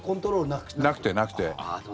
なくて、なくて。